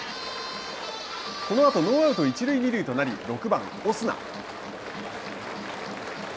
このあとノーアウト、一塁二塁となり６番オスナ。